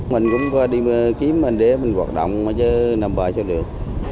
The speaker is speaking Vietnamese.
mình cũng đi kiếm mình để mình hoạt động mà chứ nằm bờ sao được